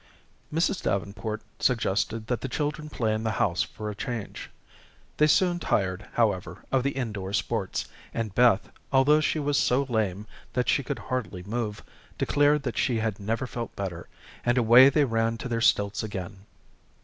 Mrs. Davenport suggested that the children play in the house for a change. They soon tired, however, of the indoor sports, and Beth, although she was so lame that she could hardly move, declared that she had never felt better, and away they ran to their stilts again.